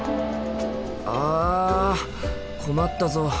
あ困ったぞ。